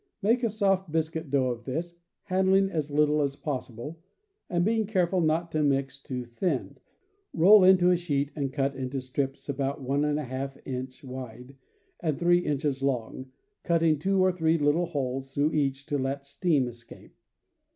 Make a soft biscuit dough of this, handling as little as possible, and being careful not to mix too thin. Roll into a sheet, and cut into strips about 1^ inch wide and 3 inches long, cutting two or three little holes through each to let steam escape.